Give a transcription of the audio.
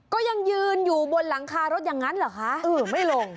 ก็ยังยืนอยู่บนหลังคารถอย่างนั้นเหรอคะเออไม่ลง